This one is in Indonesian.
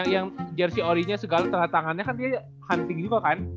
yang jersey orie nya segala tanda tangannya kan dia hunting juga kan